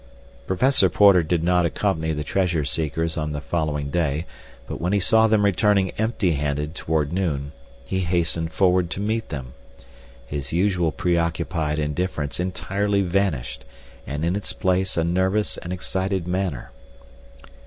Professor Porter did not accompany the treasure seekers on the following day, but when he saw them returning empty handed toward noon, he hastened forward to meet them—his usual preoccupied indifference entirely vanished, and in its place a nervous and excited manner.